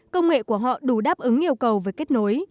công nghệ của họ đủ đáp ứng yêu cầu về kết nối